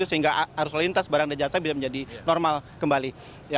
sehingga arus lintas barang dan jasa bisa menjadi normal kembali